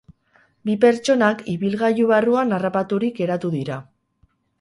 Bi pertsonak ibilgailu barruan harrapaturik geratu dira.